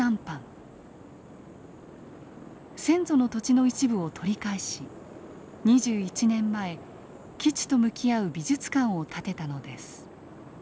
先祖の土地の一部を取り返し２１年前基地と向き合う美術館を建てたのです。